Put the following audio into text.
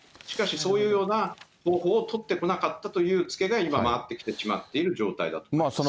しかし、そういうような方法を取ってこなかったというツケが今回ってきてしまっている状態だと思います。